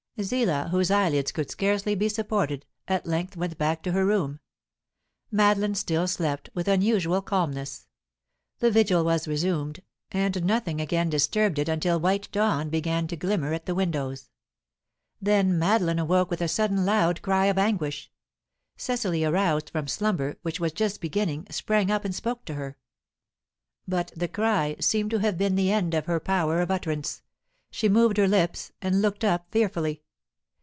Zillah, whose eyelids could scarcely be supported, at length went back to her room. Madeline still slept, with unusual calmness. The vigil was resumed, and nothing again disturbed it until white dawn began to glimmer at the windows. Then Madeline awoke with a sudden loud cry of anguish. Cecily, aroused from slumber which was just beginning, sprang up and spoke to her. But the cry seemed to have been the end of her power of utterance; she moved her lips and looked up fearfully.